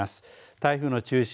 台風の中心